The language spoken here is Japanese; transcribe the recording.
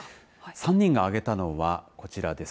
３人が挙げたのはこちらです。